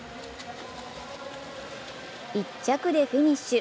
１着でフィニッシュ。